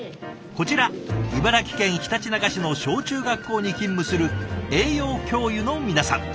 こちら茨城県ひたちなか市の小中学校に勤務する栄養教諭の皆さん。